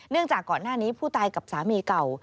จากก่อนหน้านี้ผู้ตายกับสามีเก่า